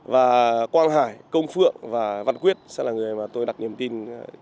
và quang hải công phượng và văn quyết sẽ là người mà tôi đặt niềm tin